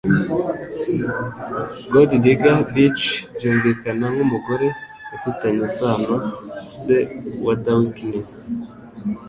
Gold-digger bitch' byumvikana nkumugore ufitanye isano na se wa Dawkinses.